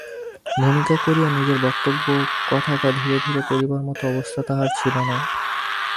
ভূমিকা করিয়া নিজের বক্তব্য কথাটা ধীরে ধীরে পাড়িবার মতো অবস্থা তাহার ছিল না।